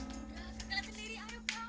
sudah segala sendiri ayo